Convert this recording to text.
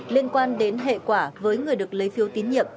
liên quan đến hệ quả với người được bệnh